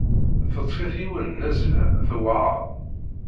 Teṭṭef-it yiwet n nnazla tewɛer.